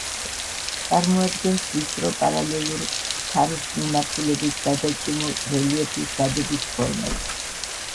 წარმოადგენს ვიწრო პარალელურ, ქარის მიმართულებით გადაჭიმულ რელიეფის დადებით ფორმებს.